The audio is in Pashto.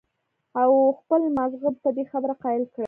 او خپل مازغۀ پۀ دې خبره قائل کړي